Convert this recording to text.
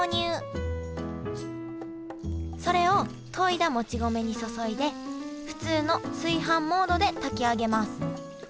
それをといだもち米に注いで普通の炊飯モードで炊き上げます